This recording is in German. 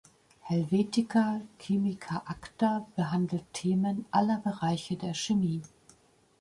Helvetica Chimica Acta behandelt Themen aller Bereiche der Chemie.